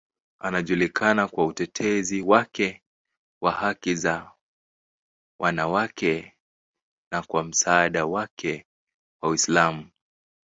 Anajulikana kwa utetezi wake wa haki za wanawake na kwa msaada wake wa Uislamu.